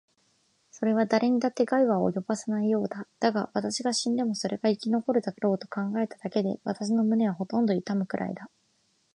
それはだれにだって害は及ぼさないようだ。だが、私が死んでもそれが生き残るだろうと考えただけで、私の胸はほとんど痛むくらいだ。